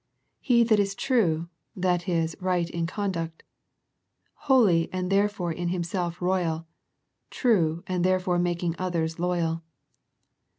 " He that is true," that is, right in conduct. Holy, and therefore in Him self royal; true, and therefore making others loyal.